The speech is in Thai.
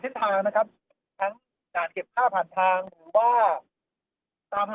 กินดอนเมืองในช่วงเวลาประมาณ๑๐นาฬิกานะครับ